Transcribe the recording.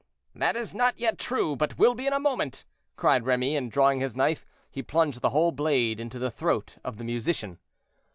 "That is not yet true, but will be in a moment," cried Remy; and drawing his knife, he plunged the whole blade into the throat of the musician.